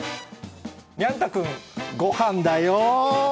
にゃん太くん、ごはんだよ。